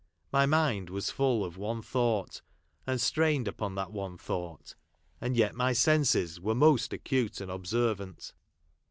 My mind was full of one thought, and strained upon that one thought, and yet my senses were most acute and observant.